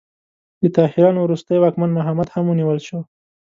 د طاهریانو وروستی واکمن محمد هم ونیول شو.